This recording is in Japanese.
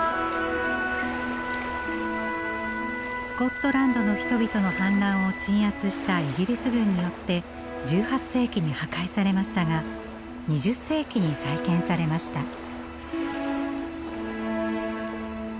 スコットランドの人々の反乱を鎮圧したイギリス軍によって１８世紀に破壊されましたが２０世紀に再建されました。